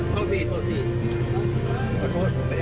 โทษพี่โทษพี่